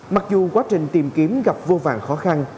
mặc dù quá trình tìm kiếm gặp vô vàng khó khăn